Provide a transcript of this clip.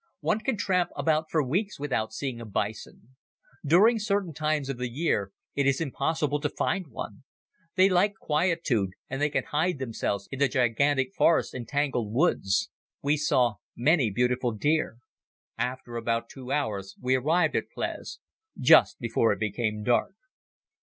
One can tramp about for weeks without seeing a bison. During certain times of the year it is impossible to find one. They like quietude and they can hide themselves in the gigantic forests and tangled woods. We saw many beautiful deer. After about two hours we arrived at Pless, just before it became dark.